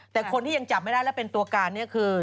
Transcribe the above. แต่คนที่ยังจับไม่ได้แล้วเป็นตัวการเนี่ยคือ